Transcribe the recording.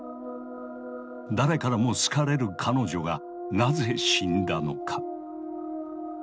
誰からも好かれる彼女がなぜ死んだのか。